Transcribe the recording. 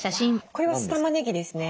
これは酢たまねぎですね。